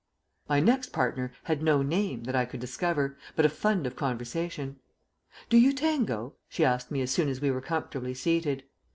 My next partner had no name that I could discover, but a fund of conversation. "Do you tango?" she asked me as soon as we were comfortably seated.